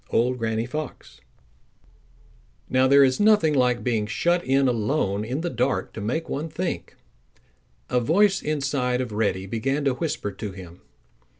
—Old Granny Fox. Now there is nothing like being shut in alone in the dark to make one think. A voice inside of Reddy began to whisper to him.